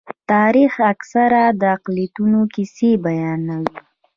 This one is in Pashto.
تاریخ اکثره د اقلیتونو کیسې بیانوي.